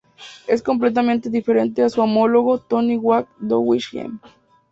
Es completamente diferente a su homólogo "Tony Hawk's Downhill Jam".